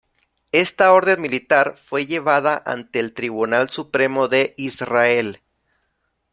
Esta orden militar fue llevada ante el Tribunal Supremo de Israel.